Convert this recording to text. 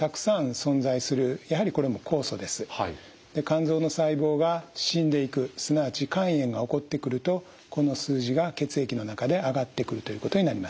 で肝臓の細胞が死んでいくすなわち肝炎が起こってくるとこの数字が血液の中で上がってくるということになります。